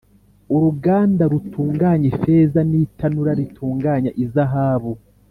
uruganda rutunganya ifeza, n’itanura ritunganya izahabu